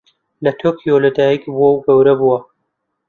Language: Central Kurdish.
لە تۆکیۆ لەدایکبووە و گەورە بووە.